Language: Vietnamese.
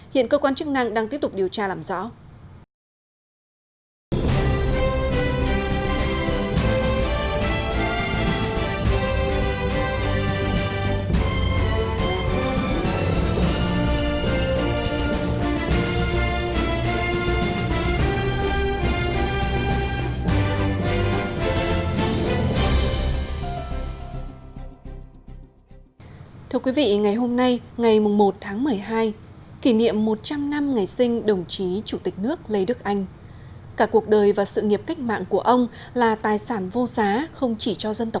hiện cơ quan chức năng đang tiếp tục điều tra làm rõ